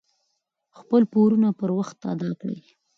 خپل پورونه پر وخت ادا کړئ.